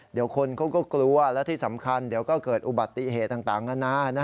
เดี๋ยวคนเขาก็กลัวและที่สำคัญเดี๋ยวก็เกิดอุบัติเหตุต่างนานา